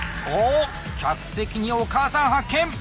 客席にお母さん発見！